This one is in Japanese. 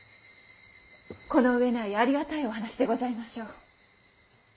この上ないありがたいお話でございましょう。